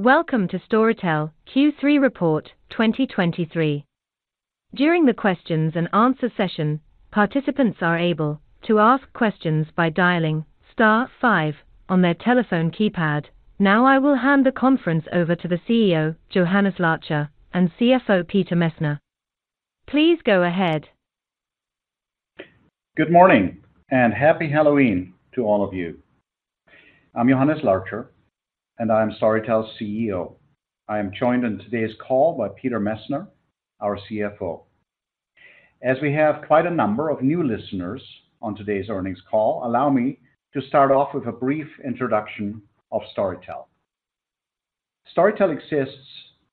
Welcome to Storytel Q3 Report 2023. During the questions and answer session, participants are able to ask questions by dialing star five on their telephone keypad. Now, I will hand the conference over to the CEO, Johannes Larcher, and CFO, Peter Messner. Please go ahead. Good morning, and happy Halloween to all of you. I'm Johannes Larcher, and I'm Storytel's CEO. I am joined on today's call by Peter Messner, our CFO. As we have quite a number of new listeners on today's earnings call, allow me to start off with a brief introduction of Storytel. Storytel exists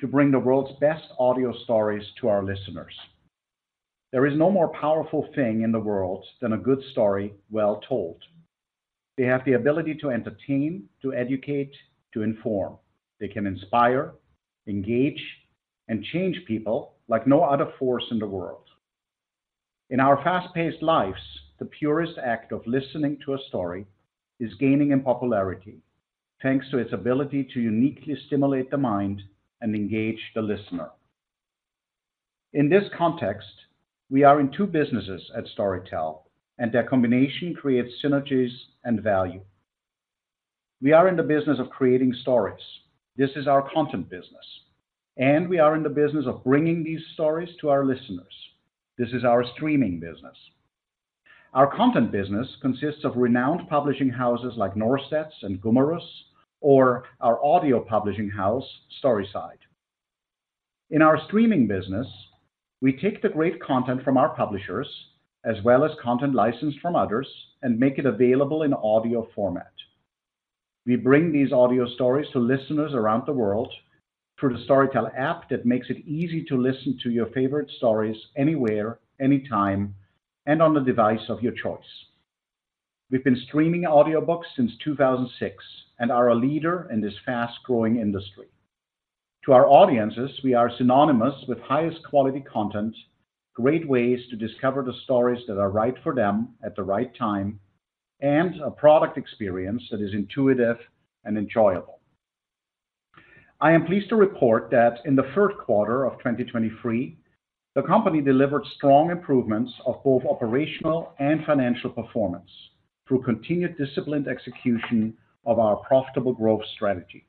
to bring the world's best audio stories to our listeners. There is no more powerful thing in the world than a good story well told. They have the ability to entertain, to educate, to inform. They can inspire, engage, and change people like no other force in the world. In our fast-paced lives, the purest act of listening to a story is gaining in popularity, thanks to its ability to uniquely stimulate the mind and engage the listener. In this context, we are in two businesses at Storytel, and their combination creates synergies and value. We are in the business of creating stories. This is our Content business, and we are in the business of bringing these stories to our listeners. This is our Streaming business. Our Content business consists of renowned publishing houses like Norstedts and Gummerus, or our audio publishing house, StorySide. In our Streaming business, we take the great content from our publishers, as well as content licensed from others, and make it available in audio format. We bring these audio stories to listeners around the world through the Storytel app that makes it easy to listen to your favorite stories anywhere, anytime, and on the device of your choice. We've been streaming audiobooks since 2006 and are a leader in this fast-growing industry. To our audiences, we are synonymous with highest quality content, great ways to discover the stories that are right for them at the right time, and a product experience that is intuitive and enjoyable. I am pleased to report that in the Q3 of 2023, the company delivered strong improvements of both operational and financial performance through continued disciplined execution of our profitable growth strategy.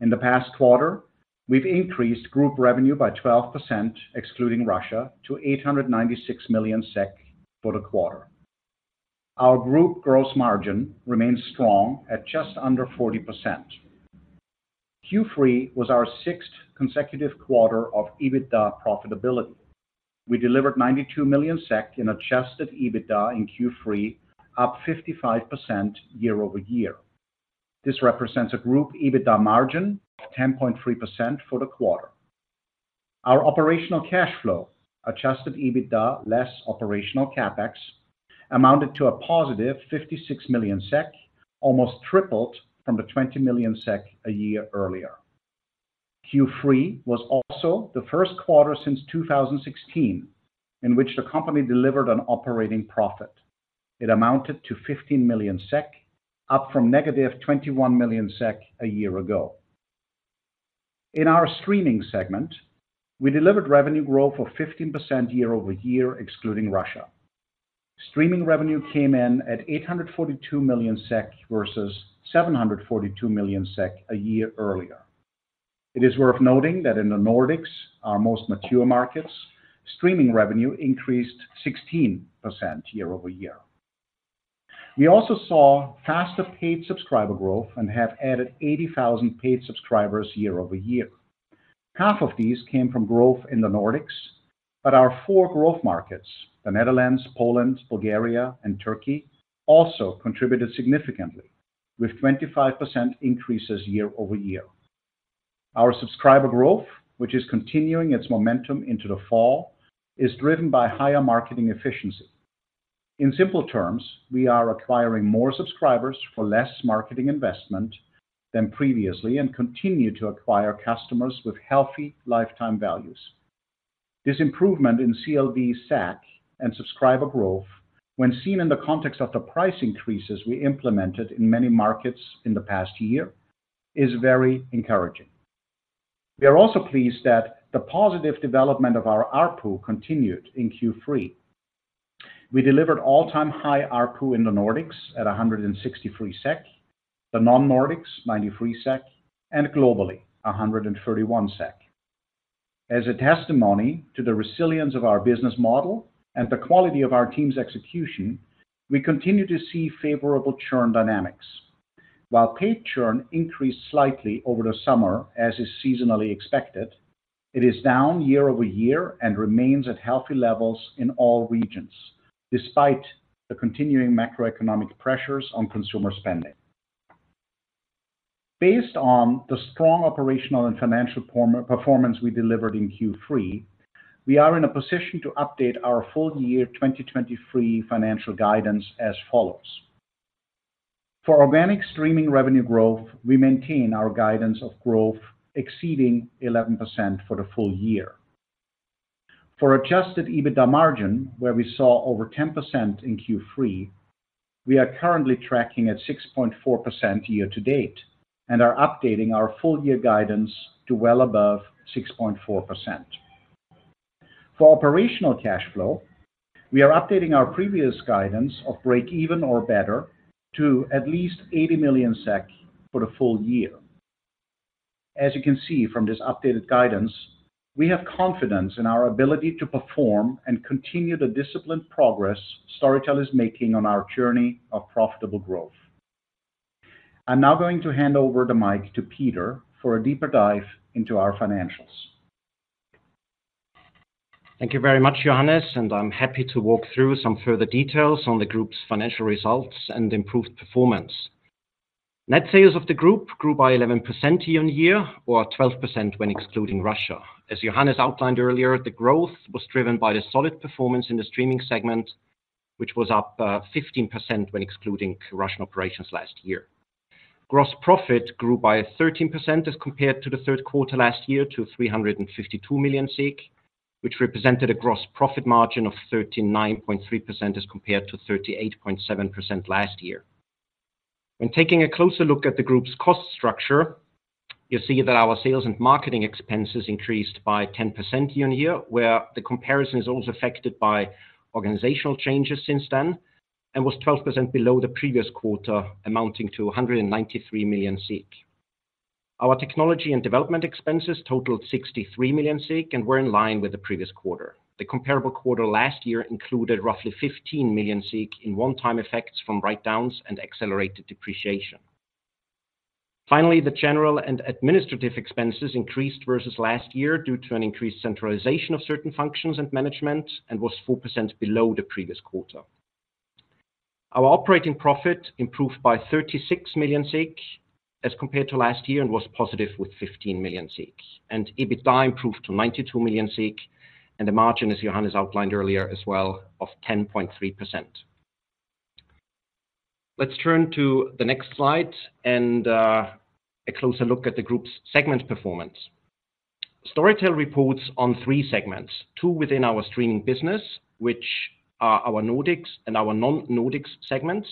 In the past quarter, we've increased group revenue by 12%, excluding Russia, to 896 million SEK for the quarter. Our group gross margin remains strong at just under 40%. Q3 was our sixth consecutive quarter of EBITDA profitability. We delivered 92 million SEK in Adjusted EBITDA in Q3, up 55% YoY. This represents a group EBITDA margin of 10.3% for the quarter. Our operational cash flow, Adjusted EBITDA less operational CapEx, amounted to a positive 56 million SEK, almost tripled from the 20 million SEK a year earlier. Q3 was also the Q1 since 2016 in which the company delivered an operating profit. It amounted to 15 million SEK, up from negative 21 million SEK a year ago. In our Streaming segment, we delivered revenue growth of 15% YoY, excluding Russia. Streaming revenue came in at 842 million SEK versus 742 million SEK a year earlier. It is worth noting that in the Nordics, our most mature markets, streaming revenue increased 16% YoY. We also saw faster paid subscriber growth and have added 80,000 paid subscribers YoY. Half of these came from growth in the Nordics, but our four growth markets, the Netherlands, Poland, Bulgaria, and Turkey, also contributed significantly, with 25% increases YoY. Our subscriber growth, which is continuing its momentum into the fall, is driven by higher marketing efficiency. In simple terms, we are acquiring more subscribers for less marketing investment than previously and continue to acquire customers with healthy lifetime values. This improvement in CLV, SAC, and subscriber growth, when seen in the context of the price increases we implemented in many markets in the past year, is very encouraging. We are also pleased that the positive development of our ARPU continued in Q3. We delivered all-time high ARPU in the Nordics at 163 SEK, the non-Nordics, 93 SEK, and globally, 131 SEK. As a testimony to the resilience of our business model and the quality of our team's execution, we continue to see favorable churn dynamics. While paid churn increased slightly over the summer, as is seasonally expected, it is down YoY and remains at healthy levels in all regions, despite the continuing macroeconomic pressures on consumer spending. Based on the strong operational and financial performance we delivered in Q3, we are in a position to update our full year 2023 financial guidance as follows: For organic Streaming revenue growth, we maintain our guidance of growth exceeding 11% for the full year. For Adjusted EBITDA margin, where we saw over 10% in Q3, we are currently tracking at 6.4% year to date, and are updating our full year guidance to well above 6.4%. For operational cash flow, we are updating our previous guidance of breakeven or better to at least 80 million SEK for the full year. As you can see from this updated guidance, we have confidence in our ability to perform and continue the disciplined progress Storytel is making on our journey of profitable growth. I'm now going to hand over the mic to Peter for a deeper dive into our financials. Thank you very much, Johannes, and I'm happy to walk through some further details on the group's financial results and improved performance. Net sales of the group grew by 11% year on year, or 12% when excluding Russia. As Johannes outlined earlier, the growth was driven by the solid performance in the Streaming segment, which was up 15% when excluding Russian operations last year. Gross profit grew by 13% as compared to the Q3 last year, to 352 million, which represented a gross profit margin of 39.3%, as compared to 38.7% last year. When taking a closer look at the group's cost structure, you see that our sales and marketing expenses increased by 10% YoY, where the comparison is also affected by organizational changes since then, and was 12% below the previous quarter, amounting to 193 million. Our technology and development expenses totaled 63 million and were in line with the previous quarter. The comparable quarter last year included roughly 15 million in one-time effects from write-downs and accelerated depreciation. Finally, the general and administrative expenses increased versus last year due to an increased centralization of certain functions and management, and was 4% below the previous quarter. Our operating profit improved by 36 million as compared to last year, and was positive with 15 million. EBITDA improved to 92 million, and the margin, as Johannes outlined earlier as well, of 10.3%. Let's turn to the next slide and, a closer look at the group's segment performance. Storytel reports on three segments, two within our Streaming business, which are our Nordics and our non-Nordics segments,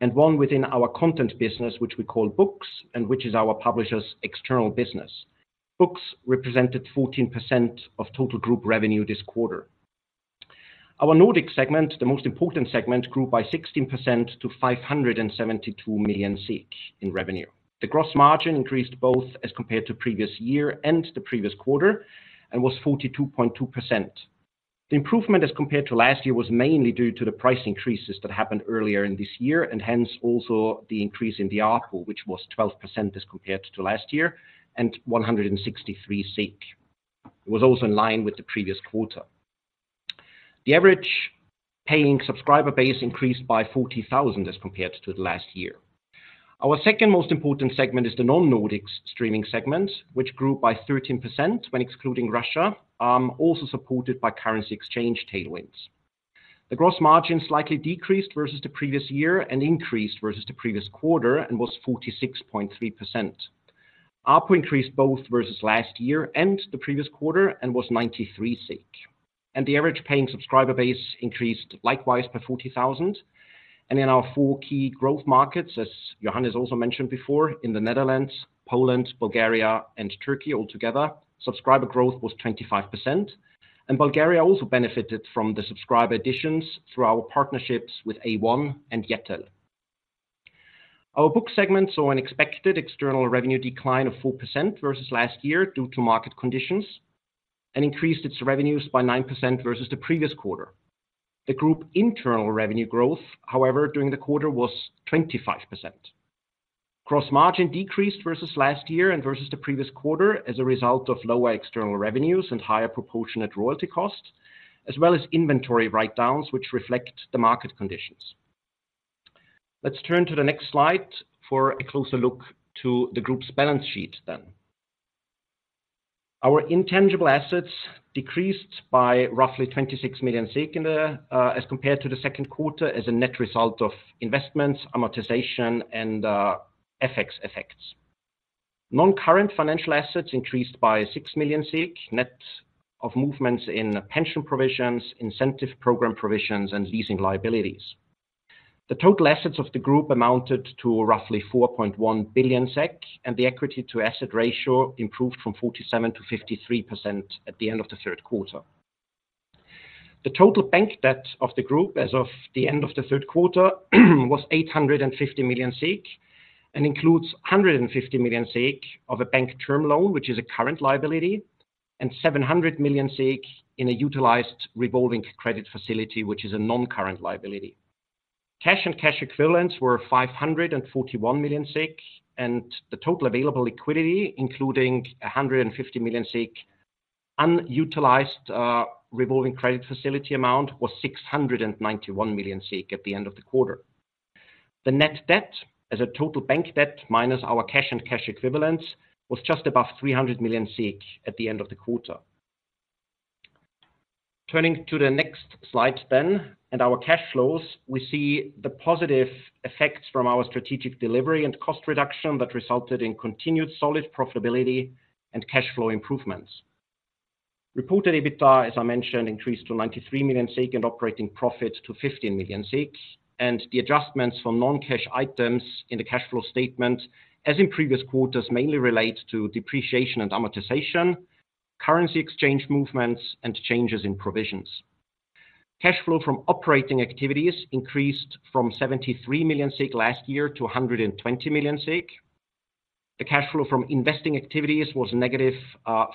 and one within our Content business, which we call Books, and which is our publisher's external business. Books represented 14% of total group revenue this quarter. Our Nordic segment, the most important segment, grew by 16% to 572 million in revenue. The gross margin increased both as compared to previous year and the previous quarter and was 42.2%. The improvement as compared to last year, was mainly due to the price increases that happened earlier in this year, and hence, also the increase in the ARPU, which was 12% as compared to last year, and 163. It was also in line with the previous quarter. The average paying subscriber base increased by 40,000 as compared to the last year. Our second most important segment is the non-Nordics Streaming segment, which grew by 13% when excluding Russia, also supported by currency exchange tailwinds. The gross margin slightly decreased versus the previous year and increased versus the previous quarter and was 46.3%. ARPU increased both versus last year and the previous quarter and was 93, and the average paying subscriber base increased likewise by 40,000. In our four key growth markets, as Johannes also mentioned before, in the Netherlands, Poland, Bulgaria, and Turkey altogether, subscriber growth was 25%, and Bulgaria also benefited from the subscriber additions through our partnerships with A1 and Yettel. Our book segment saw an expected external revenue decline of 4% versus last year due to market conditions, and increased its revenues by 9% versus the previous quarter. The group internal revenue growth, however, during the quarter was 25%. Gross margin decreased versus last year and versus the previous quarter as a result of lower external revenues and higher proportionate royalty costs, as well as inventory write-downs, which reflect the market conditions. Let's turn to the next slide for a closer look to the group's balance sheet then. Our intangible assets decreased by roughly 26 million SEK, as compared to the Q2, as a net result of investments, amortization, and FX effects. Non-current financial assets increased by 6 million, net of movements in pension provisions, incentive program provisions, and leasing liabilities. The total assets of the group amounted to roughly 4.1 billion SEK, and the equity to asset ratio improved from 47%-53% at the end of the Q3. The total bank debt of the group as of the end of the Q3 was 850 million, and includes 150 million of a bank term loan, which is a current liability, and 700 million in a utilized revolving credit facility, which is a non-current liability. Cash and cash equivalents were 541 million, and the total available liquidity, including 150 million unutilized revolving credit facility amount, was 691 million at the end of the quarter. The net debt as a total bank debt, minus our cash and cash equivalents, was just above 300 million at the end of the quarter. Turning to the next slide then, and our cash flows, we see the positive effects from our strategic delivery and cost reduction that resulted in continued solid profitability and cash flow improvements. Reported EBITDA, as I mentioned, increased to 93 million and operating profits to 15 million, and the adjustments for non-cash items in the cash flow statement, as in previous quarters, mainly relate to depreciation and amortization, currency exchange movements, and changes in provisions. Cash flow from operating activities increased from 73 million last year to 120 million. The cash flow from investing activities was negative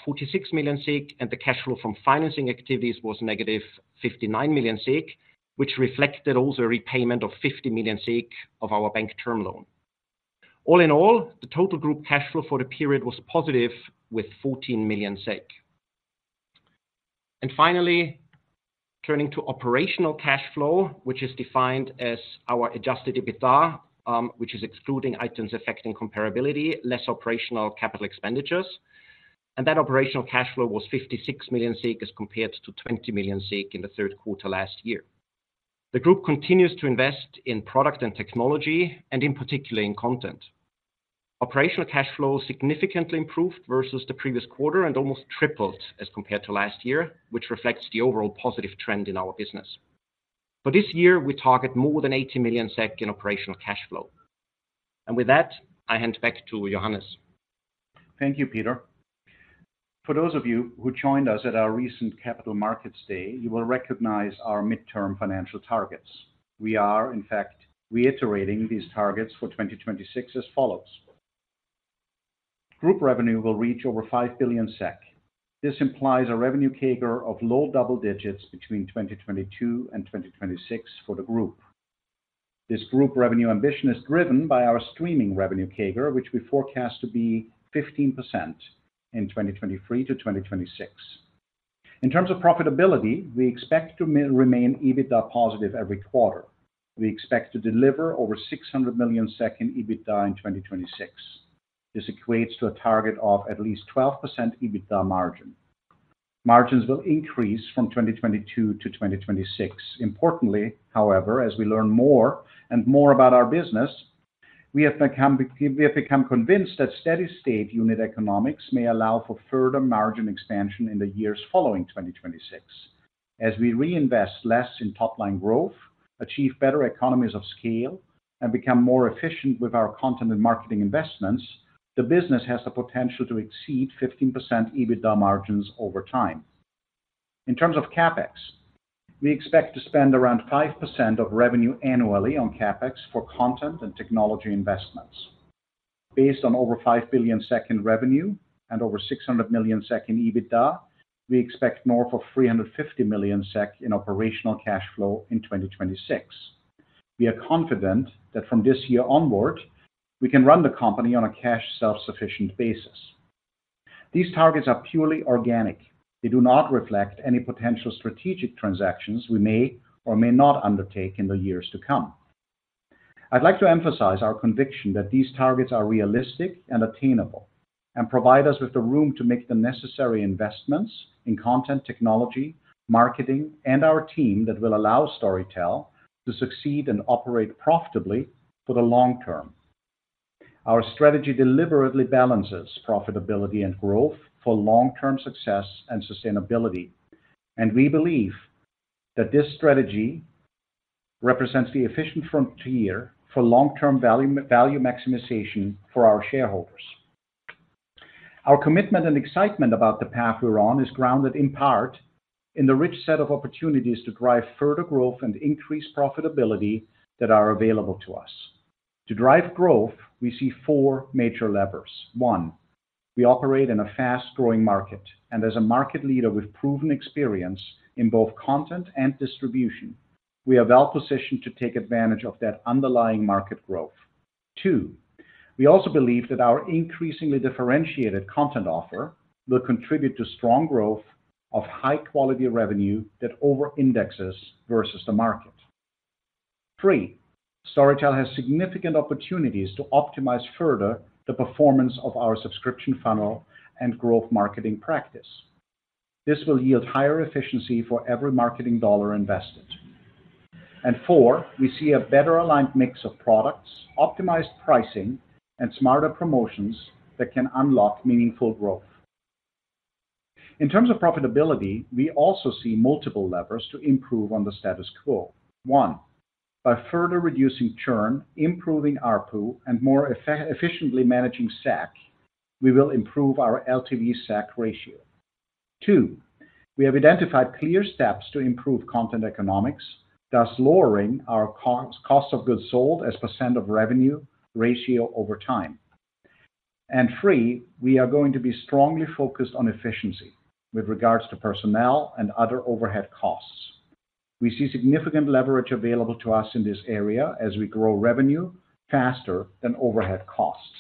46 million, and the cash flow from financing activities was negative 59 million, which reflected also a repayment of 50 million of our bank term loan. All in all, the total group cash flow for the period was positive, with 14 million. And finally, turning to operational cash flow, which is defined as our Adjusted EBITDA, which is excluding items affecting comparability, less operational capital expenditures. And that operational cash flow was 56 million SEK as compared to 20 million SEK in the Q3 last year. The group continues to invest in product and technology, and in particular, in content. Operational cash flow significantly improved versus the previous quarter and almost tripled as compared to last year, which reflects the overall positive trend in our business. For this year, we target more than 80 million SEK in operational cash flow. With that, I hand back to Johannes. Thank you, Peter. For those of you who joined us at our recent Capital Markets Day, you will recognize our mid-term financial targets. We are, in fact, reiterating these targets for 2026 as follows: Group revenue will reach over 5 billion SEK. This implies a revenue CAGR of low double digits between 2022 and 2026 for the group. This group revenue ambition is driven by our Streaming revenue CAGR, which we forecast to be 15% in 2023-2026. In terms of profitability, we expect to remain EBITDA positive every quarter. We expect to deliver over 600 million in EBITDA in 2026. This equates to a target of at least 12% EBITDA margin. Margins will increase from 2022 to 2026. Importantly, however, as we learn more and more about our business, we have become convinced that steady-state unit economics may allow for further margin expansion in the years following 2026. As we reinvest less in top-line growth, achieve better economies of scale, and become more efficient with our Content and Marketing investments, the business has the potential to exceed 15% EBITDA margins over time. In terms of CapEx, we expect to spend around 5% of revenue annually on CapEx for Content and Technology investments. Based on over 5 billion SEK in revenue and over 600 million SEK in EBITDA, we expect north of 350 million SEK in operational cash flow in 2026. We are confident that from this year onward, we can run the company on a cash self-sufficient basis. These targets are purely organic. They do not reflect any potential strategic transactions we may or may not undertake in the years to come. I'd like to emphasize our conviction that these targets are realistic and attainable, and provide us with the room to make the necessary investments in Content technology, Marketing, and our team that will allow Storytel to succeed and operate profitably for the long term. Our strategy deliberately balances profitability and growth for long-term success and sustainability, and we believe that this strategy represents the efficient frontier for long-term value, value maximization for our shareholders. Our commitment and excitement about the path we're on is grounded in part in the rich set of opportunities to drive further growth and increase profitability that are available to us. To drive growth, we see four major levers. One, we operate in a fast-growing market, and as a market leader with proven experience in both content and distribution, we are well positioned to take advantage of that underlying market growth. Two, we also believe that our increasingly differentiated content offer will contribute to strong growth of high-quality revenue that over-indexes versus the market. Three, Storytel has significant opportunities to optimize further the performance of our subscription funnel and growth marketing practice. This will yield higher efficiency for every marketing dollar invested. And four, we see a better aligned mix of products, optimized pricing, and smarter promotions that can unlock meaningful growth. In terms of profitability, we also see multiple levers to improve on the status quo. One, by further reducing churn, improving ARPU, and more efficiently managing SAC, we will improve our LTV SAC ratio. Two, we have identified clear steps to improve Content economics, thus lowering our costs, cost of goods sold as % of revenue ratio over time. And three, we are going to be strongly focused on efficiency with regards to personnel and other overhead costs. We see significant leverage available to us in this area as we grow revenue faster than overhead costs.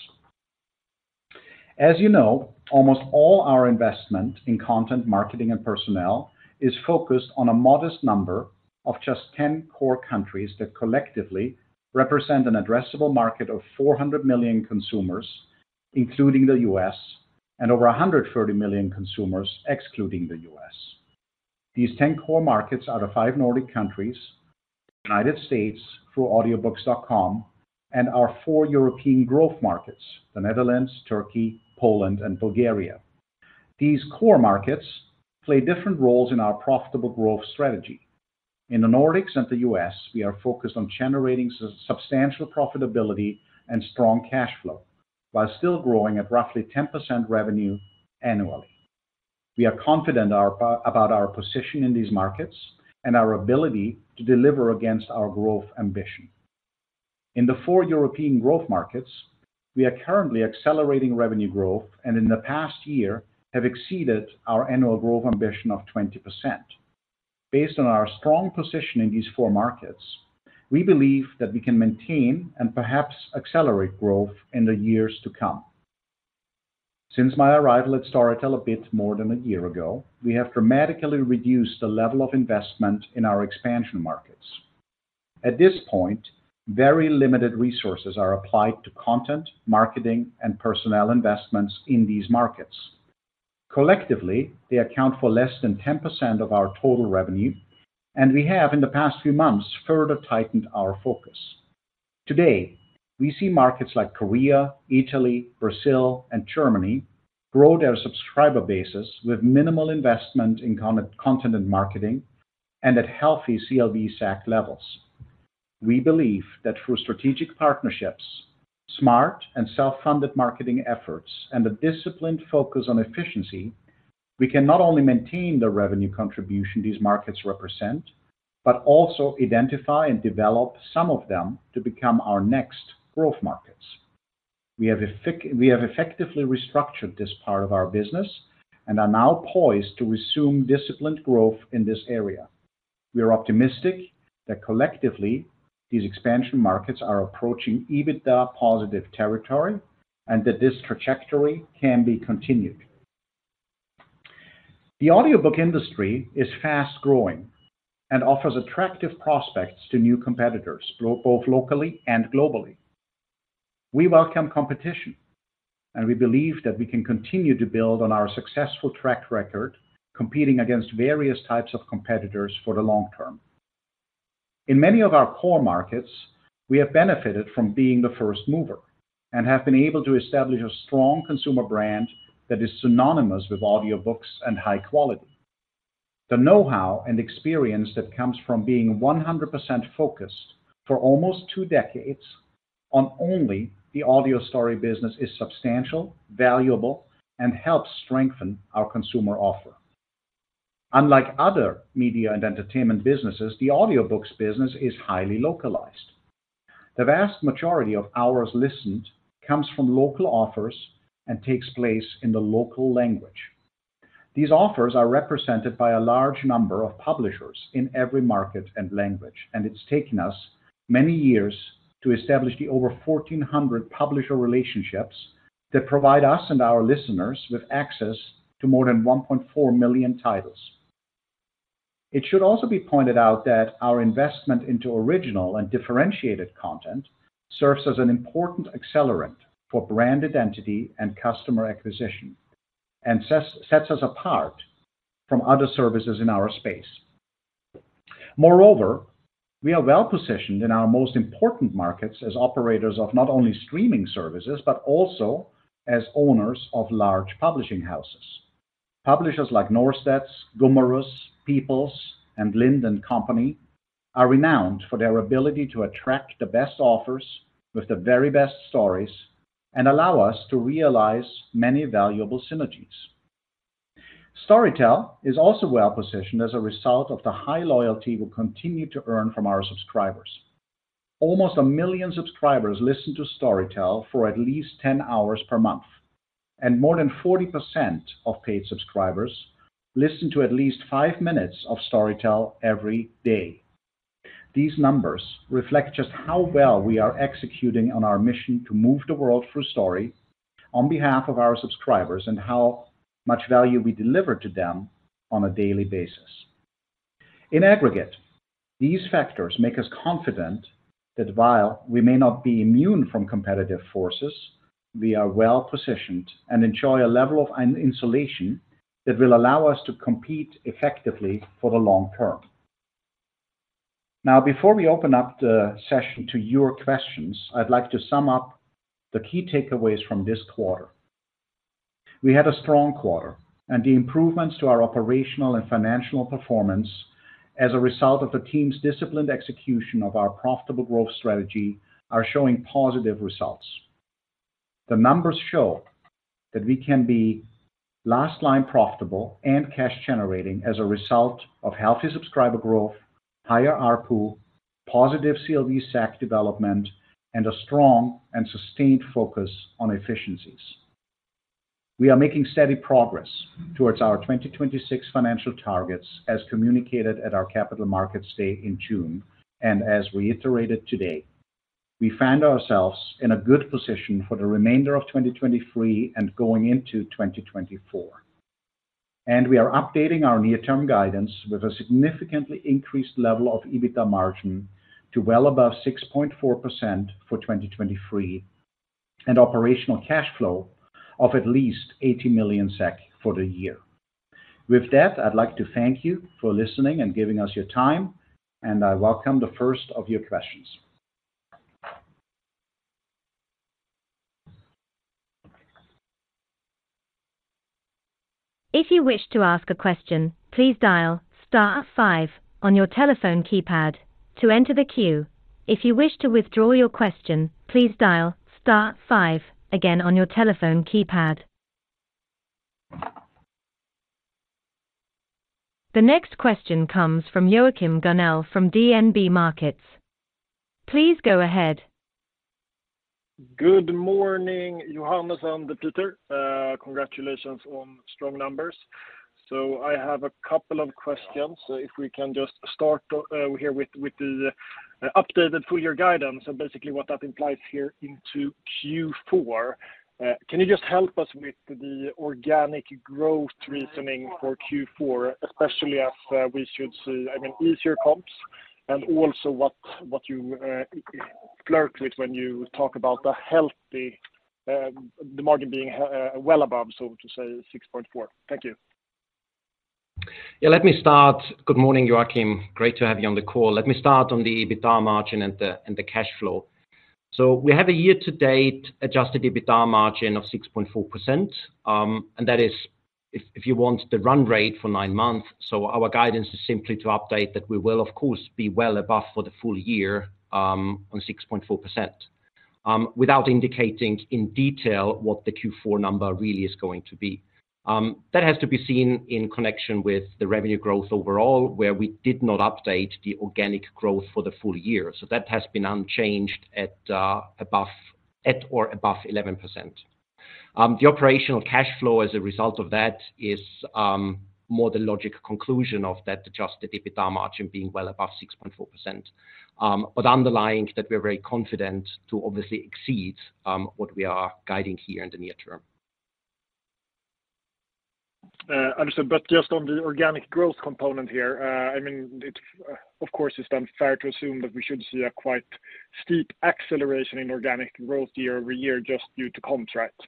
As you know, almost all our investment in content, marketing, and personnel is focused on a modest number of just 10 core countries that collectively represent an addressable market of 400 million consumers, including the U.S. and over 130 million consumers, excluding the U.S. These 10 core markets are the five Nordic countries, United States through Audiobooks.com, and our four European growth markets, the Netherlands, Turkey, Poland and Bulgaria. These core markets play different roles in our profitable growth strategy. In the Nordics and the U.S., we are focused on generating substantial profitability and strong cash flow, while still growing at roughly 10% revenue annually. We are confident about our position in these markets and our ability to deliver against our growth ambition. In the four European growth markets, we are currently accelerating revenue growth, and in the past year have exceeded our annual growth ambition of 20%. Based on our strong position in these four markets, we believe that we can maintain and perhaps accelerate growth in the years to come. Since my arrival at Storytel a bit more than a year ago, we have dramatically reduced the level of investment in our expansion markets. At this point, very limited resources are applied to content, marketing, and personnel investments in these markets. Collectively, they account for less than 10% of our total revenue, and we have, in the past few months, further tightened our focus. Today, we see markets like Korea, Italy, Brazil, and Germany grow their subscriber bases with minimal investment in content and marketing and at healthy CLV SAC levels. We believe that through strategic partnerships, smart and self-funded marketing efforts, and a disciplined focus on efficiency, we can not only maintain the revenue contribution these markets represent, but also identify and develop some of them to become our next growth markets. We have effectively restructured this part of our business and are now poised to resume disciplined growth in this area. We are optimistic that collectively, these expansion markets are approaching EBITDA positive territory and that this trajectory can be continued. The audiobook industry is fast-growing and offers attractive prospects to new competitors, both locally and globally. We welcome competition, and we believe that we can continue to build on our successful track record, competing against various types of competitors for the long term. In many of our core markets, we have benefited from being the first mover and have been able to establish a strong consumer brand that is synonymous with audiobooks and high quality. The know-how and experience that comes from being 100% focused for almost two decades on only the audio story business is substantial, valuable, and helps strengthen our consumer offer. Unlike other media and entertainment businesses, the audiobooks business is highly localized. The vast majority of hours listened comes from local authors and takes place in the local language. These authors are represented by a large number of publishers in every market and language, and it's taken us many years to establish the over 1,400 publisher relationships that provide us and our listeners with access to more than 1.4 million titles. It should also be pointed out that our investment into original and differentiated content serves as an important accelerant for brand identity and customer acquisition, and sets us apart from other services in our space. Moreover, we are well positioned in our most important markets as operators of not only Streaming services, but also as owners of large publishing houses. Publishers like Norstedts, Gummerus, People's, and Lind & Co are renowned for their ability to attract the best authors with the very best stories and allow us to realize many valuable synergies. Storytel is also well positioned as a result of the high loyalty we continue to earn from our subscribers. Almost 1 million subscribers listen to Storytel for at least 10 hours per month, and more than 40% of paid subscribers listen to at least five minutes of Storytel every day. These numbers reflect just how well we are executing on our mission to move the world through story on behalf of our subscribers and how much value we deliver to them on a daily basis. In aggregate, these factors make us confident that while we may not be immune from competitive forces, we are well positioned and enjoy a level of insulation that will allow us to compete effectively for the long term. Now, before we open up the session to your questions, I'd like to sum up the key takeaways from this quarter. We had a strong quarter, and the improvements to our operational and financial performance as a result of the team's disciplined execution of our profitable growth strategy are showing positive results. The numbers show that we can be last line profitable and cash generating as a result of healthy subscriber growth, higher ARPU, positive CLV SAC development, and a strong and sustained focus on efficiencies. We are making steady progress towards our 2026 financial targets, as communicated at our Capital Markets Day in June, and as reiterated today. We find ourselves in a good position for the remainder of 2023 and going into 2024, and we are updating our near-term guidance with a significantly increased level of EBITDA margin to well above 6.4% for 2023, and operational cash flow of at least 80 million SEK for the year. With that, I'd like to thank you for listening and giving us your time, and I welcome the first of your questions.] If you wish to ask a question, please dial star five on your telephone keypad to enter the queue. If you wish to withdraw your question, please dial star five again on your telephone keypad. The next question comes from Joachim Gunell from DNB Markets. Please go ahead. Good morning, Johannes and Peter. Congratulations on strong numbers. So I have a couple of questions. If we can just start here with the updated full-year guidance and basically what that implies here into Q4. Can you just help us with the organic growth reasoning for Q4, especially as we should see, I mean, easier comps, and also what, what you flirt with when you talk about the healthy the margin being well above, so to say, 6.4%? Thank you. Yeah, let me start. Good morning, Joachim. Great to have you on the call. Let me start on the EBITDA margin and the cash flow. So we have a year-to-date Adjusted EBITDA margin of 6.4%, and that is if you want the run rate for nine months. So our guidance is simply to update that we will, of course, be well above for the full year on 6.4%, without indicating in detail what the Q4 number really is going to be. That has to be seen in connection with the revenue growth overall, where we did not update the organic growth for the full year. So that has been unchanged at or above 11%. The operational cash flow as a result of that is more the logical conclusion of that Adjusted EBITDA margin being well above 6.4%, but underlying that, we're very confident to obviously exceed what we are guiding here in the near term. Understood. But just on the organic growth component here, I mean, of course, it's unfair to assume that we should see a quite steep acceleration in organic growthYoY just due to contract.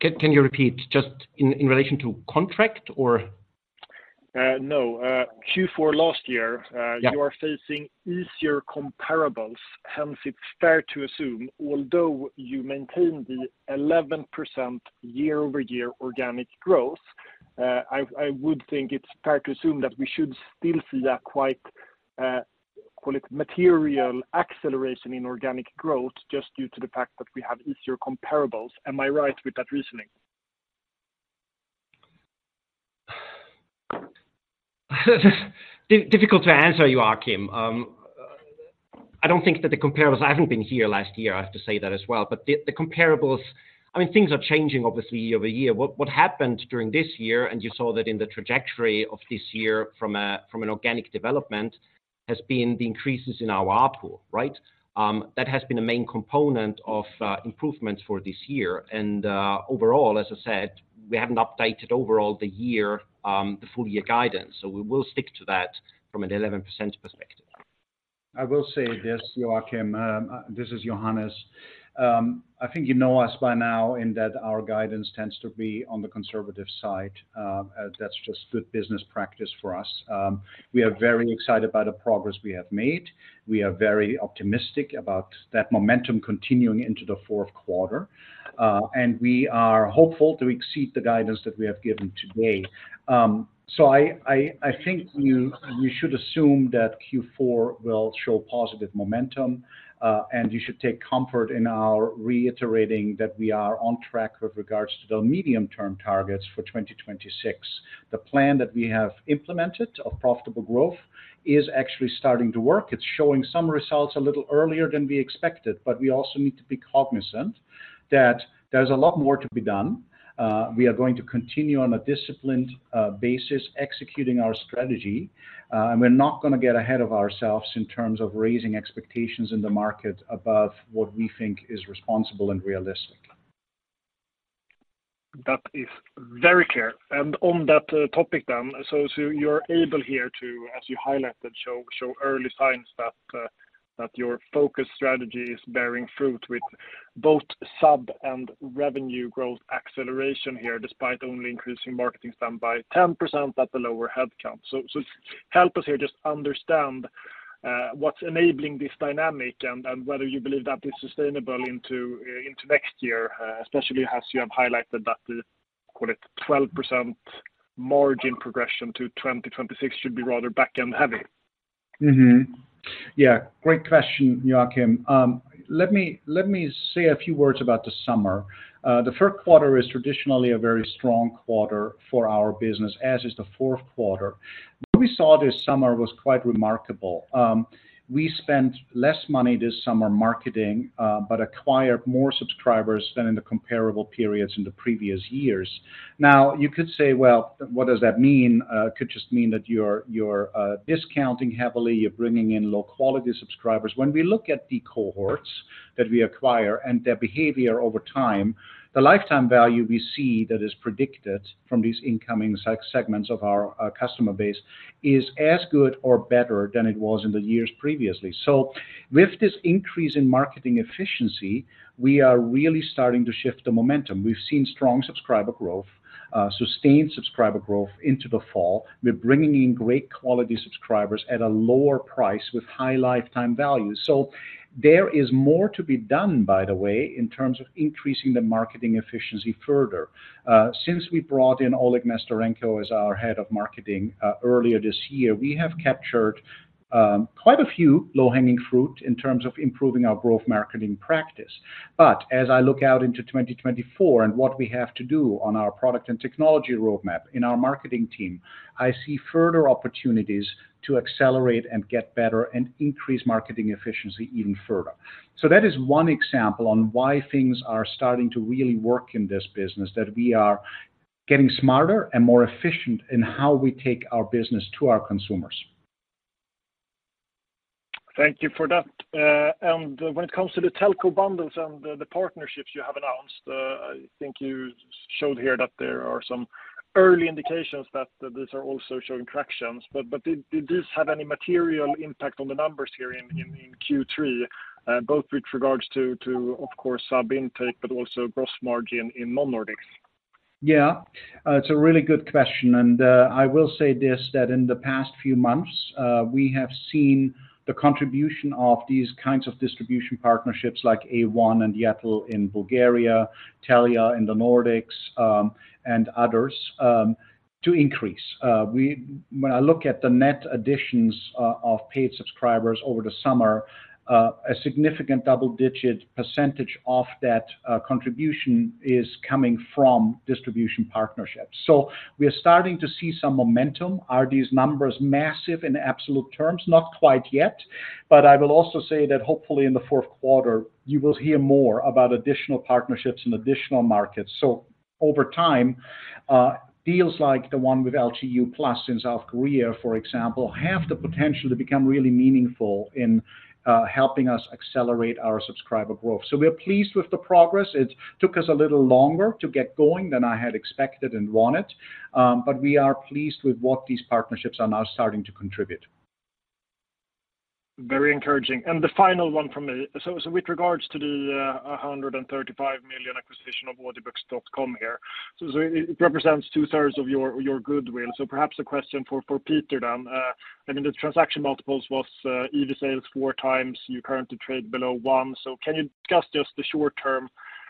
Can you repeat just in relation to contract or? No, Q4 last year- Yeah -You are facing easier comparables, hence it's fair to assume, although you maintain the 11% YoY organic growth, I would think it's fair to assume that we should still see a quite, call it material acceleration in organic growth just due to the fact that we have easier comparables. Am I right with that reasoning? Difficult to answer you, Joachim. I don't think that the comparables—I haven't been here last year, I have to say that as well, but the comparables, I mean, things are changing obviously YoY. What happened during this year, and you saw that in the trajectory of this year from an organic development, has been the increases in our ARPU, right? That has been a main component of improvements for this year. Overall, as I said, we haven't updated the full year guidance, so we will stick to that from an 11% perspective. I will say this, Joachim, this is Johannes. I think you know us by now in that our guidance tends to be on the conservative side. That's just good business practice for us. We are very excited about the progress we have made. We are very optimistic about that momentum continuing into the Q4, and we are hopeful to exceed the guidance that we have given today. So I think you should assume that Q4 will show positive momentum, and you should take comfort in our reiterating that we are on track with regards to the medium-term targets for 2026. The plan that we have implemented of profitable growth is actually starting to work. It's showing some results a little earlier than we expected, but we also need to be cognizant that there's a lot more to be done. We are going to continue on a disciplined basis, executing our strategy, and we're not gonna get ahead of ourselves in terms of raising expectations in the market above what we think is responsible and realistic. That is very clear. On that topic then, so you're able here to, as you highlighted, show early signs that your focus strategy is bearing fruit with both sub and revenue growth acceleration here, despite only increasing marketing spend by 10% at the lower headcount. So help us here just understand what's enabling this dynamic and whether you believe that is sustainable into next year, especially as you have highlighted that the, call it, 12% margin progression to 2026 should be rather back-end heavy. Mm-hmm. Yeah, great question, Joachim. Let me say a few words about the summer. The Q3 is traditionally a very strong quarter for our business, as is the Q4. What we saw this summer was quite remarkable. We spent less money this summer marketing, but acquired more subscribers than in the comparable periods in the previous years. Now, you could say, well, what does that mean? Could just mean that you're discounting heavily, you're bringing in low-quality subscribers. When we look at the cohorts that we acquire and their behavior over time, the lifetime value we see that is predicted from these incoming segments of our customer base is as good or better than it was in the years previously. So with this increase in marketing efficiency, we are really starting to shift the momentum. We've seen strong subscriber growth, sustained subscriber growth into the fall. We're bringing in great quality subscribers at a lower price with high lifetime value. So there is more to be done, by the way, in terms of increasing the marketing efficiency further. Since we brought in Oleg Nesterenko as our head of marketing, earlier this year, we have captured, quite a few low-hanging fruit in terms of improving our growth marketing practice. But as I look out into 2024 and what we have to do on our product and technology roadmap in our marketing team, I see further opportunities to accelerate and get better and increase marketing efficiency even further. So that is one example on why things are starting to really work in this business, that we are getting smarter and more efficient in how we take our business to our consumers. Thank you for that. And when it comes to the telco bundles and the partnerships you have announced, I think you showed here that there are some early indications that these are also showing traction. But did this have any material impact on the numbers here in Q3, both with regards to, of course, sub intake, but also gross margin in non-Nordics? Yeah, it's a really good question, and I will say this, that in the past few months, we have seen the contribution of these kinds of distribution partnerships like A1 and Yettel in Bulgaria, Telia in the Nordics, and others, to increase. When I look at the net additions of paid subscribers over the summer, a significant double-digit percentage of that contribution is coming from distribution partnerships. So we are starting to see some momentum. Are these numbers massive in absolute terms? Not quite yet, but I will also say that hopefully in the Q4, you will hear more about additional partnerships in additional markets. So over time, deals like the one with LG U+ in South Korea, for example, have the potential to become really meaningful in helping us accelerate our subscriber growth. So we're pleased with the progress. It took us a little longer to get going than I had expected and wanted, but we are pleased with what these partnerships are now starting to contribute. Very encouraging. The final one from me. So with regards to the $135 million acquisition of Audiobooks.com here, it represents two-thirds of your goodwill. So perhaps a question for Peter then. I mean, the transaction multiples was EV/sales 4x. You currently trade below one. So can you discuss just the short-term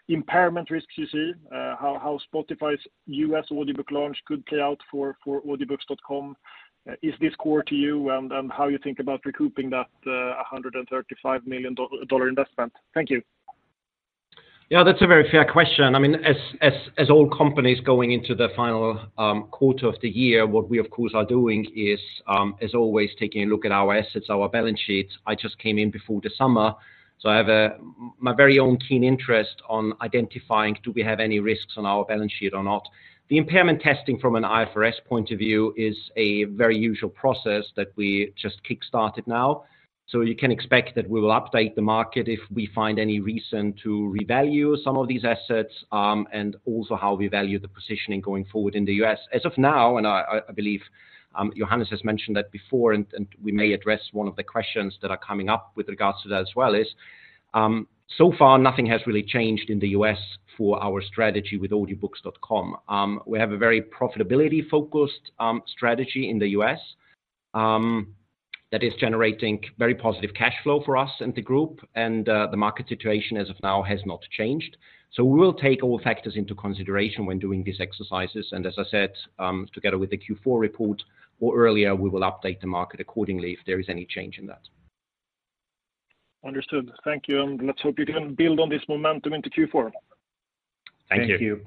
impairment risks you see, how Spotify's U.S. audiobook launch could play out for Audiobooks.com? Is this core to you and how you think about recouping that $135 million dollar investment? Thank you. Yeah, that's a very fair question. I mean, as all companies going into the final quarter of the year, what we, of course, are doing is, as always, taking a look at our assets, our balance sheets. I just came in before the summer, so I have my very own keen interest on identifying, do we have any risks on our balance sheet or not? The impairment testing from an IFRS point of view is a very usual process that we just kickstarted now. So you can expect that we will update the market if we find any reason to revalue some of these assets, and also how we value the positioning going forward in the U.S. As of now, I believe Johannes has mentioned that before, and we may address one of the questions that are coming up with regards to that as well, so far, nothing has really changed in the U.S. for our strategy with Audiobooks.com. We have a very profitability-focused strategy in the U.S., that is generating very positive cash flow for us and the group, and the market situation as of now has not changed. So we will take all factors into consideration when doing these exercises, and as I said, together with the Q4 report or earlier, we will update the market accordingly if there is any change in that. Understood. Thank you. Let's hope you can build on this momentum into Q4. Thank you. Thank you.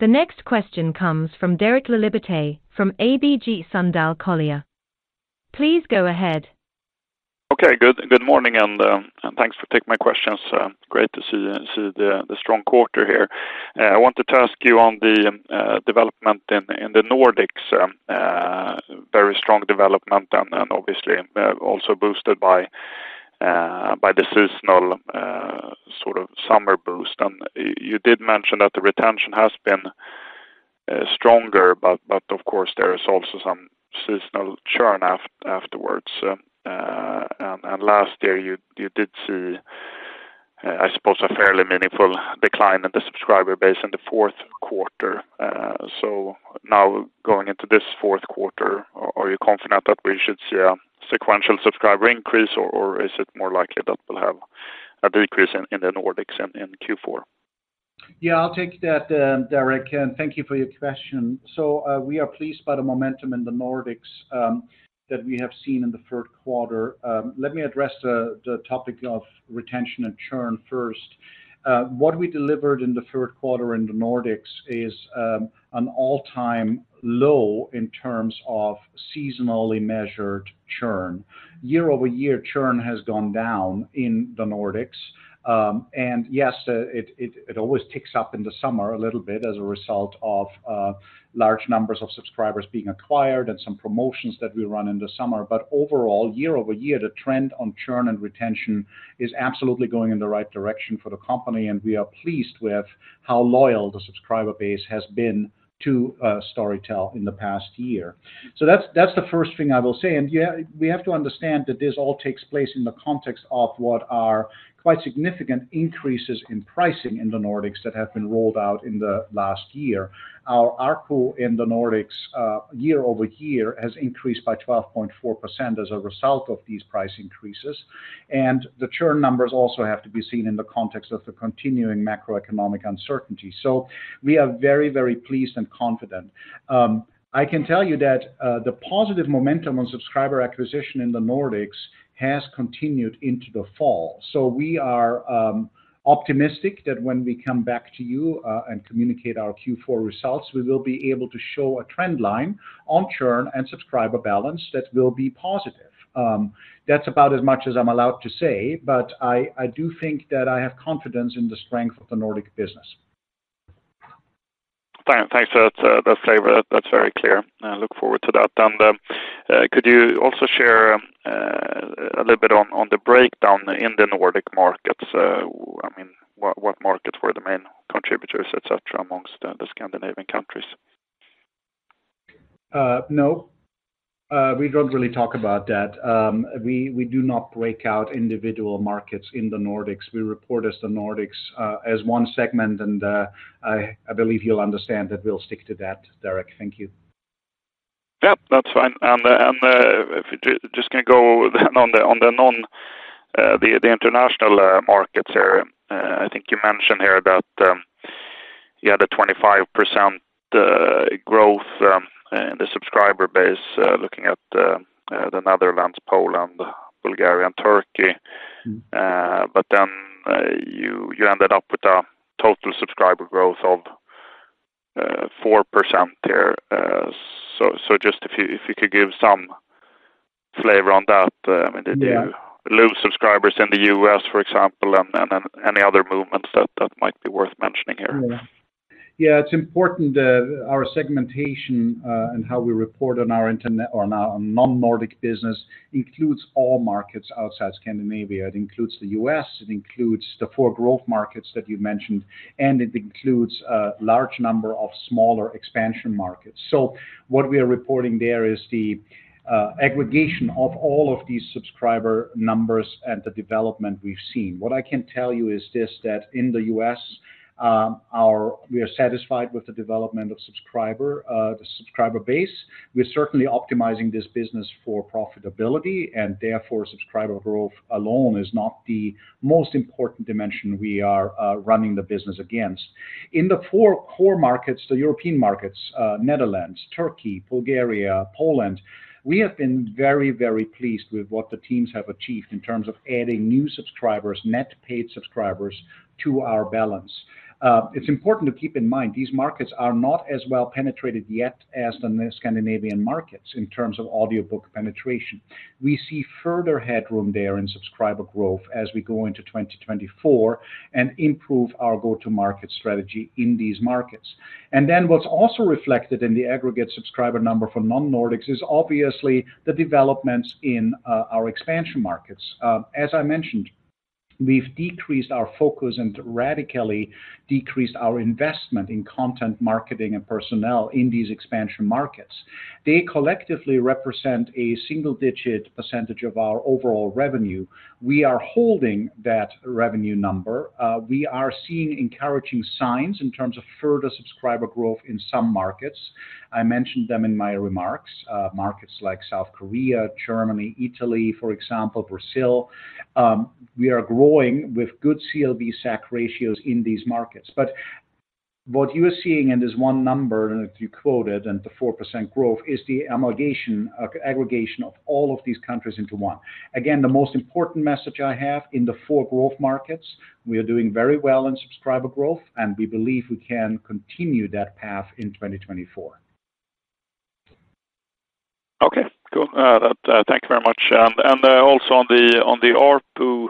The next question comes from Derek Laliberté, from ABG Sundal Collier. Please go ahead. Okay, good morning, and thanks for taking my questions. Great to see the strong quarter here. I want to ask you on the development in the Nordics, very strong development and obviously also boosted by the seasonal sort of summer boost. And you did mention that the retention has been stronger, but of course, there is also some seasonal churn afterwards. And last year you did see, I suppose, a fairly meaningful decline in the subscriber base in the Q4. So now going into this Q4, are you confident that we should see a sequential subscriber increase, or is it more likely that we'll have a decrease in the Nordics in Q4? Yeah, I'll take that, Derek, and thank you for your question. So, we are pleased by the momentum in the Nordics, that we have seen in the Q3. Let me address the topic of retention and churn first. What we delivered in the Q3 in the Nordics is, an all-time low in terms of seasonally measured churn. YoY churn has gone down in the Nordics. And yes, it always ticks up in the summer a little bit as a result of, large numbers of subscribers being acquired and some promotions that we run in the summer. But overall, YoY, the trend on churn and retention is absolutely going in the right direction for the company, and we are pleased with how loyal the subscriber base has been to, Storytel in the past year. So that's the first thing I will say. And yeah, we have to understand that this all takes place in the context of what are quite significant increases in pricing in the Nordics that have been rolled out in the last year. Our ARPU in the Nordics YoY has increased by 12.4% as a result of these price increases, and the churn numbers also have to be seen in the context of the continuing macroeconomic uncertainty. So we are very, very pleased and confident. I can tell you that the positive momentum on subscriber acquisition in the Nordics has continued into the fall. So we are optimistic that when we come back to you and communicate our Q4 results, we will be able to show a trend line on churn and subscriber balance that will be positive. That's about as much as I'm allowed to say, but I do think that I have confidence in the strength of the Nordic business. Fine. Thanks. That's, that's flavor. That's very clear. I look forward to that. And could you also share a little bit on the breakdown in the Nordic markets? I mean, what markets were the main contributors, et cetera, amongst the Scandinavian countries? No, we don't really talk about that. We do not break out individual markets in the Nordics. We report as the Nordics as one segment, and I believe you'll understand that we'll stick to that, Derek. Thank you. Yep, that's fine. If we just gonna go on the international markets here. I think you mentioned here that you had a 25% growth in the subscriber base looking at the Netherlands, Poland, Bulgaria, and Turkey. Mm-hmm. But then, you ended up with a total subscriber growth of 4% there. So, just if you could give some flavor on that, I mean- Yeah -Did you lose subscribers in the U.S., for example, and any other movements that might be worth mentioning here? Yeah. Yeah, it's important that our segmentation and how we report on our international or on our non-Nordic business includes all markets outside Scandinavia. It includes the U.S., it includes the four growth markets that you mentioned, and it includes a large number of smaller expansion markets. So what we are reporting there is the aggregation of all of these subscriber numbers and the development we've seen. What I can tell you is this, that in the U.S., we are satisfied with the development of the subscriber base. We're certainly optimizing this business for profitability, and therefore, subscriber growth alone is not the most important dimension we are running the business against. In the four core markets, the European markets, Netherlands, Turkey, Bulgaria, Poland, we have been very, very pleased with what the teams have achieved in terms of adding new subscribers, net paid subscribers to our balance. It's important to keep in mind, these markets are not as well penetrated yet as the Scandinavian markets in terms of audiobook penetration. We see further headroom there in subscriber growth as we go into 2024 and improve our go-to-market strategy in these markets. And then what's also reflected in the aggregate subscriber number for non-Nordics is obviously the developments in our expansion markets. As I mentioned, we've decreased our focus and radically decreased our investment in Content marketing and personnel in these expansion markets. They collectively represent a single-digit % of our overall revenue. We are holding that revenue number. We are seeing encouraging signs in terms of further subscriber growth in some markets. I mentioned them in my remarks, markets like South Korea, Germany, Italy, for example, Brazil. We are growing with good CLV SAC ratios in these markets. But what you are seeing in this one number, and if you quoted, and the 4% growth, is the amalgamation, aggregation of all of these countries into one. Again, the most important message I have in the four growth markets, we are doing very well in subscriber growth, and we believe we can continue that path in 2024. Okay, cool. That, thank you very much. And also on the ARPU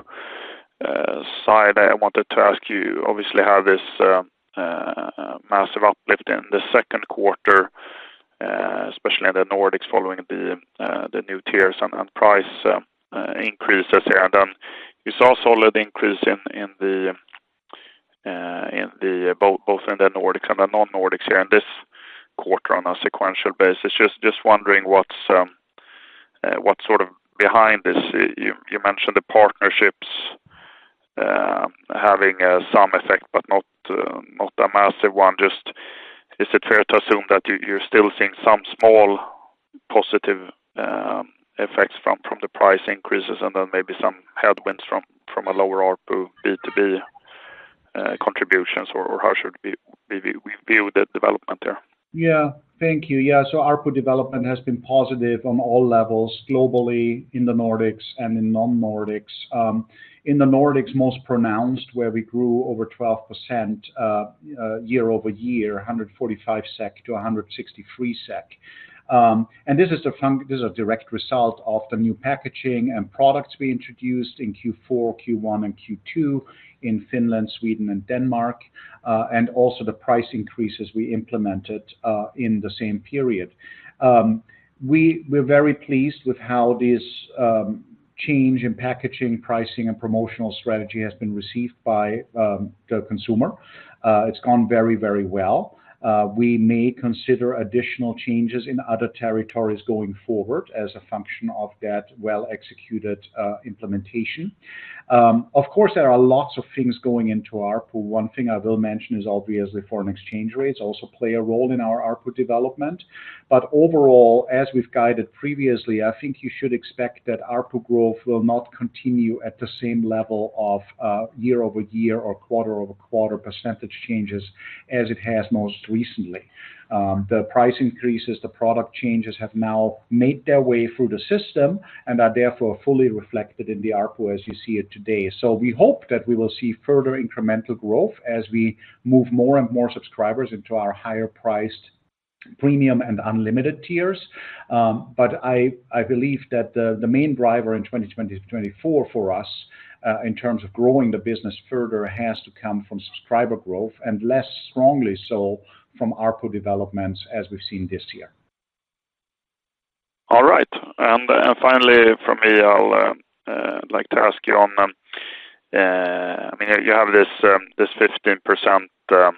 side, I wanted to ask you obviously have this massive uplift in the Q2, especially in the Nordics, following the new tiers and price increases. You saw solid increase in both the Nordics and the non-Nordics here in this quarter on a sequential basis. Just wondering what's sort of behind this? You mentioned the partnerships having some effect, but not a massive one. Just, is it fair to assume that you, you're still seeing some small positive effects from the price increases and then maybe some headwinds from a lower ARPU, B2B contributions, or how should we view the development there? Yeah. Thank you. Yeah, so ARPU development has been positive on all levels, globally, in the Nordics and in non-Nordics. In the Nordics, most pronounced, where we grew over 12% YoY, 145 SEK to 163 SEK. And this is a direct result of the new packaging and products we introduced in Q4, Q1, and Q2 in Finland, Sweden, and Denmark, and also the price increases we implemented in the same period. We're very pleased with how this change in packaging, pricing, and promotional strategy has been received by the consumer. It's gone very, very well. We may consider additional changes in other territories going forward as a function of that well-executed implementation. Of course, there are lots of things going into ARPU. One thing I will mention is, obviously, foreign exchange rates also play a role in our ARPU development. But overall, as we've guided previously, I think you should expect that ARPU growth will not continue at the same level of YoY or QoQ percentage changes as it has most recently. The price increases, the product changes have now made their way through the system and are therefore fully reflected in the ARPU as you see it today. So we hope that we will see further incremental growth as we move more and more subscribers into our higher-priced premium and unlimited tiers. But I believe that the main driver in 2024 for us in terms of growing the business further has to come from subscriber growth and less strongly so from ARPU developments as we've seen this year. All right. Finally, from me, I'll like to ask you on-I mean, you have this this 15%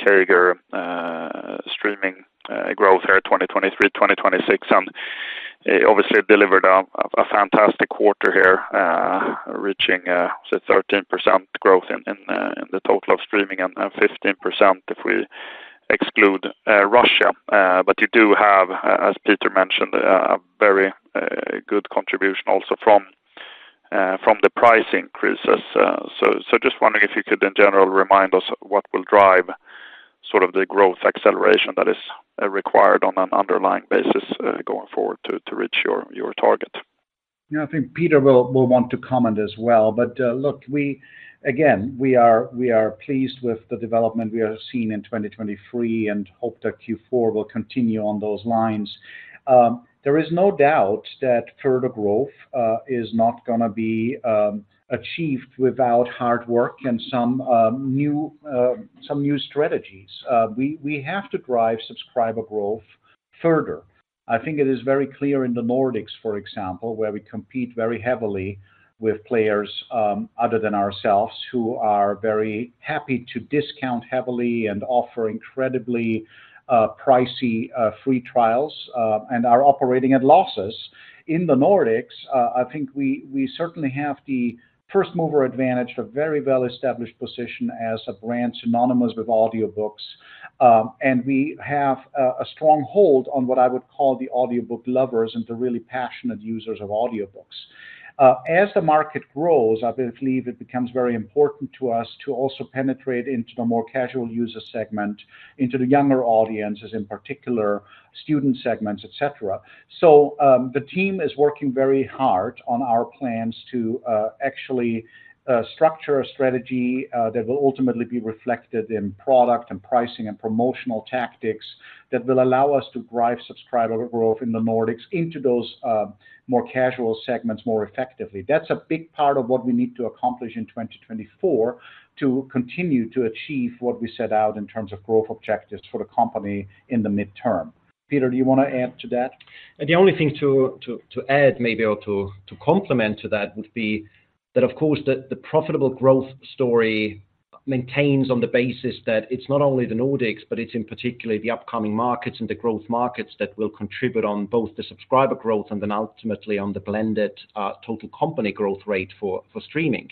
CAGR Streaming growth here, 2023-2026, and obviously delivered a fantastic quarter here, reaching so 13% growth in the total of Streaming and 15% if we exclude Russia. But you do have, as Peter mentioned, a very good contribution also from the price increases. So just wondering if you could, in general, remind us what will drive sort of the growth acceleration that is required on an underlying basis, going forward to reach your target? Yeah, I think Peter will want to comment as well. But look, we again we are pleased with the development we are seeing in 2023 and hope that Q4 will continue on those lines. There is no doubt that further growth is not gonna be achieved without hard work and some new strategies. We have to drive subscriber growth further. I think it is very clear in the Nordics, for example, where we compete very heavily with players other than ourselves, who are very happy to discount heavily and offer incredibly pricey free trials and are operating at losses. In the Nordics, I think we certainly have the first mover advantage, a very well-established position as a brand synonymous with audiobooks. We have a strong hold on what I would call the audiobook lovers and the really passionate users of audiobooks. As the market grows, I believe it becomes very important to us to also penetrate into the more casual user segment, into the younger audiences, in particular, student segments, et cetera. The team is working very hard on our plans to actually structure a strategy that will ultimately be reflected in product and pricing and promotional tactics that will allow us to drive subscriber growth in the Nordics into those more casual segments more effectively. That's a big part of what we need to accomplish in 2024, to continue to achieve what we set out in terms of growth objectives for the company in the midterm. Peter, do you want to add to that? The only thing to add maybe or to complement to that would be that, of course, the profitable growth story maintains on the basis that it's not only the Nordics, but it's in particularly the upcoming markets and the growth markets that will contribute on both the subscriber growth and then ultimately on the blended total company growth rate for streaming.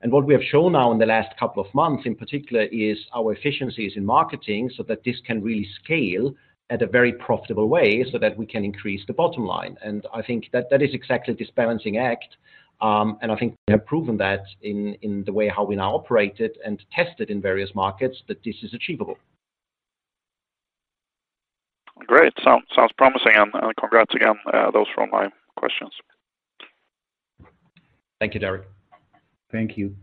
And what we have shown now in the last couple of months, in particular, is our efficiencies in marketing, so that this can really scale at a very profitable way so that we can increase the bottom line. And I think that that is exactly this balancing act, and I think we have proven that in the way how we now operate it and test it in various markets, that this is achievable. Great. Sounds promising, and congrats again. Those were all my questions. Thank you, Derek. Thank you.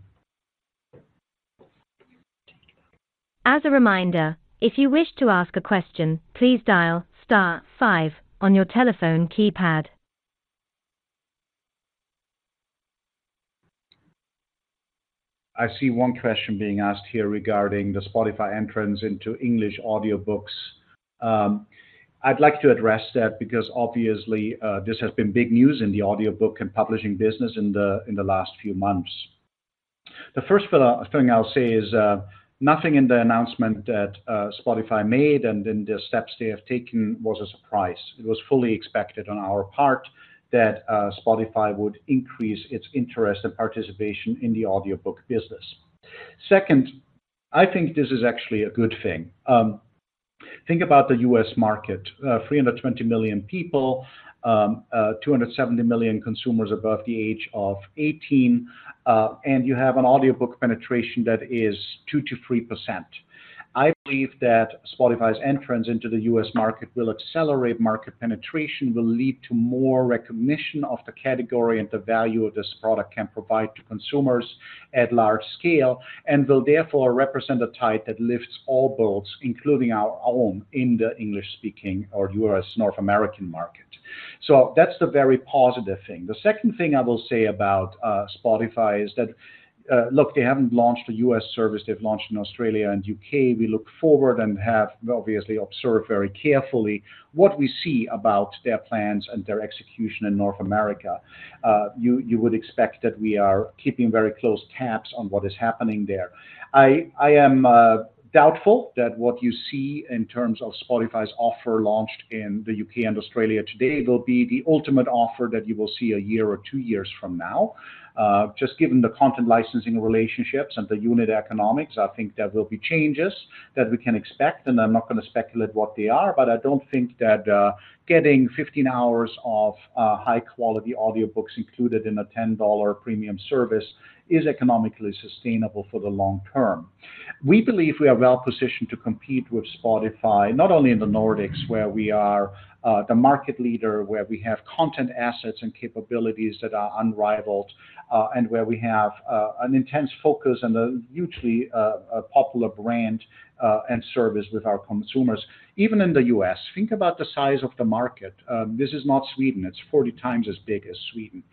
As a reminder, if you wish to ask a question, please dial star five on your telephone keypad. I see one question being asked here regarding the Spotify entrance into English audiobooks. I'd like to address that because obviously, this has been big news in the audiobook and publishing business in the last few months. The first thing I'll say is, nothing in the announcement that Spotify made and in the steps they have taken was a surprise. It was fully expected on our part that Spotify would increase its interest and participation in the audiobook business. Second, I think this is actually a good thing. Think about the US market, 320 million people, 270 million consumers above the age of eighteen, and you have an audiobook penetration that is 2%-3%. I believe that Spotify's entrance into the U.S. market will accelerate market penetration, will lead to more recognition of the category and the value of this product can provide to consumers at large scale, and will therefore represent a tide that lifts all boats, including our own, in the English-speaking or U.S., North American market. So that's the very positive thing. The second thing I will say about Spotify is that, look, they haven't launched a U.S. service. They've launched in Australia and U.K. We look forward and have obviously observed very carefully what we see about their plans and their execution in North America. You would expect that we are keeping very close tabs on what is happening there. I am doubtful that what you see in terms of Spotify's offer launched in the U.K. and Australia today will be the ultimate offer that you will see a year or two years from now. Just given the Content licensing relationships and the unit economics, I think there will be changes that we can expect, and I'm not gonna speculate what they are, but I don't think that getting 15 hours of high-quality audiobooks included in a $10 premium service is economically sustainable for the long term. We believe we are well positioned to compete with Spotify, not only in the Nordics, where we are the market leader, where we have Content assets and capabilities that are unrivaled, and where we have an intense focus and a hugely popular brand and service with our consumers. Even in the U.S., think about the size of the market. This is not Sweden. It's 40 times as big as Sweden.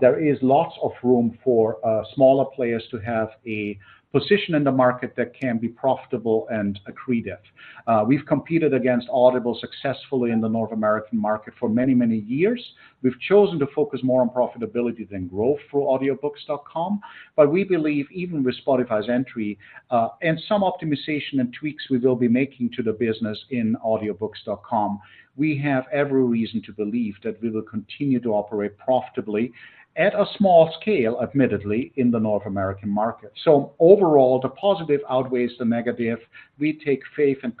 There is lots of room for smaller players to have a position in the market that can be profitable and accretive. We've competed against Audible successfully in the North American market for many, many years. We've chosen to focus more on profitability than growth for Audiobooks.com, but we believe even with Spotify's entry, and some optimization and tweaks we will be making to the business in Audiobooks.com, we have every reason to believe that we will continue to operate profitably at a small scale, admittedly, in the North American market. So overall, the positive outweighs the negative. We take faith and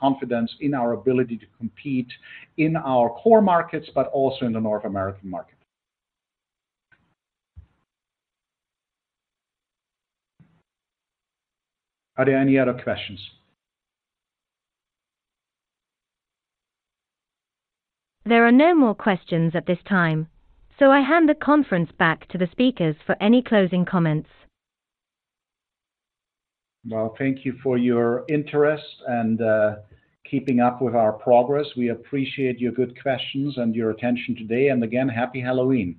confidence in our ability to compete in our core markets, but also in the North American market. Are there any other questions? There are no more questions at this time, so I hand the conference back to the speakers for any closing comments. Well, thank you for your interest and keeping up with our progress. We appreciate your good questions and your attention today. And again, Happy Halloween!